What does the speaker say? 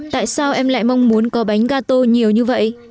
tại sao em lại mong muốn có bánh gà tô nhiều như vậy